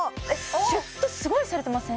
シュッとすごいされてません？